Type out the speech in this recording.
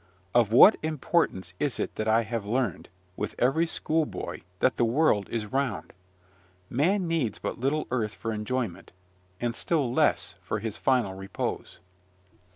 Of what importance is it that I have learned, with every schoolboy, that the world is round? Man needs but little earth for enjoyment, and still less for his final repose.